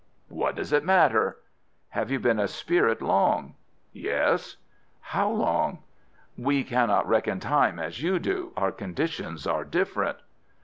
"What does it matter?" "Have you been a spirit long?" "Yes." "How long?" "We cannot reckon time as you do. Our conditions are different."